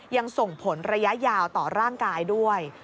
ยังส่งผลระยะยาวต่อร่างกายด้วย